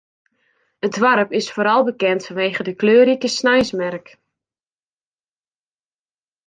It doarp is foaral bekend fanwege de kleurrike sneinsmerk.